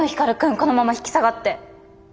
このまま引き下がって。